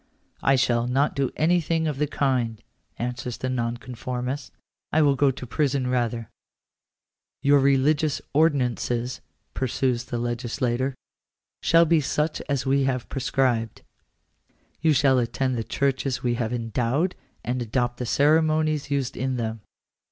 " I shall not do anything of the kind," answers the nonconformist ;" I will go to prison rather." " Your religious ordinances," pursues the legislator, " shall be such as we have prescribed. You shall attend the churches we have endowed, and adopt the ceremonies used in them."